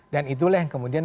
dan itulah yang kemudian